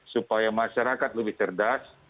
supaya masyarakat lebih cerdas